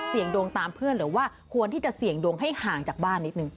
ดวงตามเพื่อนหรือว่าควรที่จะเสี่ยงดวงให้ห่างจากบ้านนิดนึง